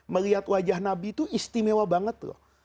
melihat wajah nabi itu istimewa banget loh